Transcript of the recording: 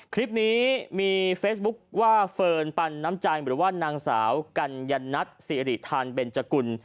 คลิปนี้มีเฟซบุ๊คว่าเฟิร์นปันน้ำใจหรือว่านางสาวกัญญนัทสิริธานเบนจกุล